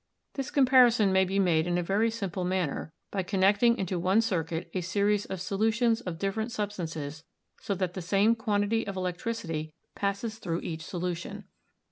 This comparison may be made in a very simple manner by connecting into one circuit a series of solutions of dif ferent substances so that the same quantity of electricity passes through each solution.